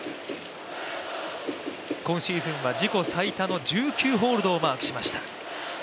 今シーズンは自己最多の１９ホールドをマークしました。